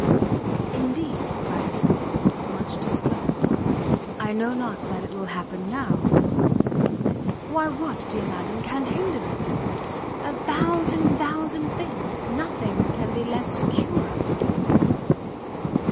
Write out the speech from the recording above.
"Indeed," cried Cecilia, much distressed, "I know not that it will happen now." "Why what, dear madam, can hinder it?" "A thousand, thousand things! nothing can be less secure."